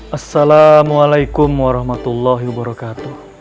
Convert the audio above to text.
assalamualaikum warahmatullahi wabarakatuh